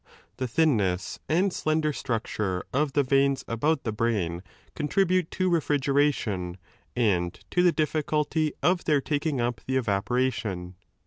The thinness z6 and slender structure of the veins about the brain con tribute to refrigeration, and to the difficulty of their taking up the evaporation.